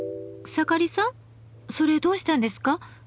草刈さんそれどうしたんですか？